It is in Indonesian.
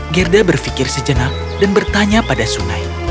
gerda berpikir sejenak dan bertanya pada sungai